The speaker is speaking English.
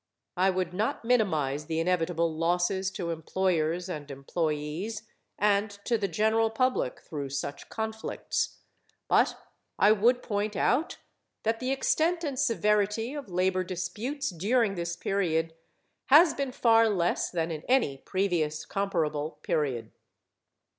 I would not minimize the inevitable losses to employers and employees and to the general public through such conflicts. But I would point out that the extent and severity of labor disputes during this period has been far less than in any previous, comparable period.